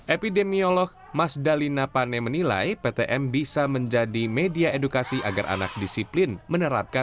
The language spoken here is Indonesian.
epidemiolog mas dalina pane menilai ptm bisa menjadi media edukasi agar anak disiplin menerapkan